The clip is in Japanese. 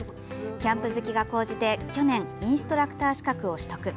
キャンプ好きが高じて去年インストラクター資格を取得。